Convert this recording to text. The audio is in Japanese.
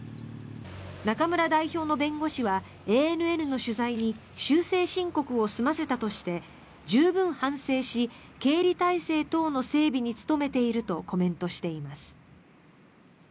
中村代表の弁護士はＡＮＮの取材に修正申告を済ませたとして十分反省し経理体制等の整備に努めているとコメントしています。